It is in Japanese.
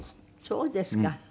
そうですか。